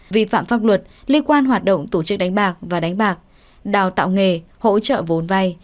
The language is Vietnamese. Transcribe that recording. vi phạm pháp luật liên quan hoạt động tổ chức đánh bạc và đánh bạc đào tạo nghề hỗ trợ vốn vay